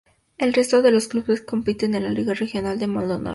El resto de los clubes compiten en la liga regional de Maldonado.